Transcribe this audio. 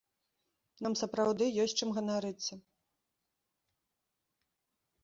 Нам сапраўды ёсць чым ганарыцца.